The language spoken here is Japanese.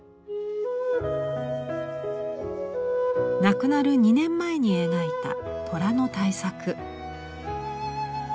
亡くなる２年前に描いた虎の大作。